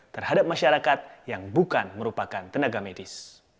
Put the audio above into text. terhadap masyarakat yang bukan merupakan tenaga medis